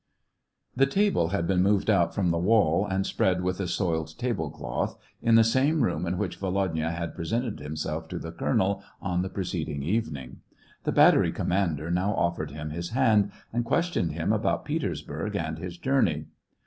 The table had been moved out from the wall, and spread with a soiled table cloth, in the same room in which Volodya had presented himself to the colonel on the preceding evening. The bat tery commander now offered him his hand, and questioned him about Petersburg and his journey.